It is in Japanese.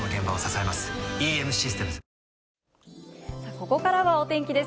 ここからはお天気です。